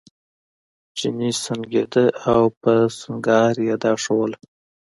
چیني سونګېده او په سونګاري یې دا ښودله.